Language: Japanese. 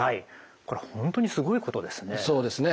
これは本当にすごいことですよねえ。